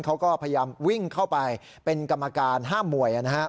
เขาก็พยายามวิ่งเข้าไปเป็นกรรมการห้ามมวย